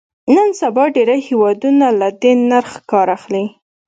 نن سبا ډېری هېوادونه له دې نرخ کار اخلي.